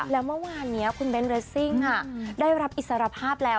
แล้วเมื่อวานนี้คุณเบ้นเรสซิ่งได้รับอิสรภาพแล้ว